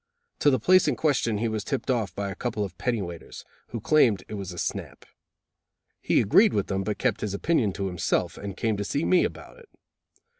To the place in question he was tipped off by a couple of penny weighters, who claimed it was a snap. He agreed with them, but kept his opinion to himself, and came to see me about it.